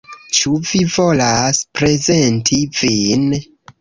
Ĉu vi volas prezenti vin?